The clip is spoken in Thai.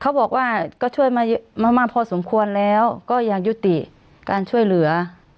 เขาบอกว่าก็ช่วยมามากพอสมควรแล้วก็อยากยุติการช่วยเหลือ